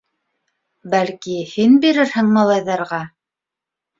Бәлки, һин бирерһең малайҙарға?